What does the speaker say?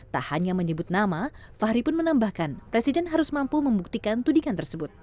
tak hanya menyebut nama fahri pun menambahkan presiden harus mampu membuktikan tudingan tersebut